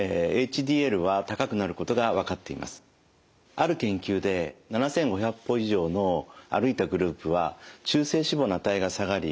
ある研究で７，５００歩以上の歩いたグループは中性脂肪の値が下がり